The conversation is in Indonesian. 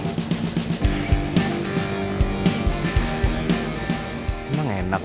jadinya gue ke barah dulu